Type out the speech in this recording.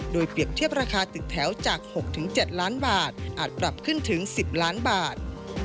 โดยเปรียบเทียบราคาตึกแถวจาก๖๗ล้านบาทอาจปรับขึ้นถึง๑๐ล้านบาท